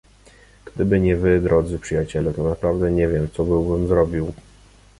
"Gdyby nie wy, drodzy przyjaciele, to naprawdę nie wiem, co byłbym zrobił."